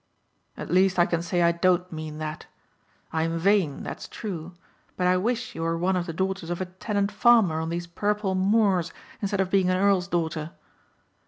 "At least I can say I don't mean that. I am vain, that's true, but I wish you were one of the daughters of a tenant farmer on these purple moors instead of being an earl's daughter."